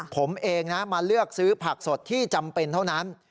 ผมเองนะมาเลือกซื้อผักสดที่จำเป็นเท่านั้น